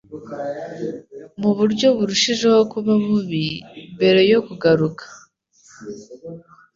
mu buryo burushijeho kuba bubi, mbere yo kugaruka